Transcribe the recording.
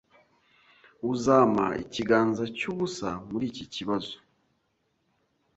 Uzampa ikiganza cyubusa muriki kibazo?